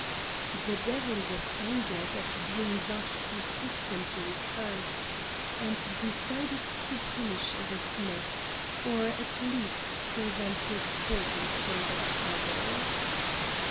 The devil was angered at being thus persistently cursed, and decided to punish the smith, or at least prevent his causing further trouble.